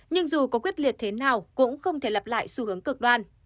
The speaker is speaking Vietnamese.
nhưng dù có quyết liệt thế nào cũng không thể lặp lại xu hướng cực đoan